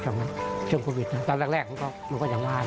จำนั้นช่วงโควิดตอนแรกมันก็อย่างว่า